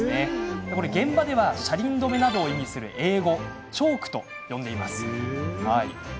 現場では車輪止めなどを意味する英語、チョークと呼んでいます。